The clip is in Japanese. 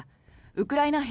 ウクライナ兵